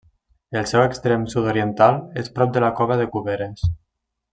El seu extrem sud-oriental és prop de la cova de Cuberes.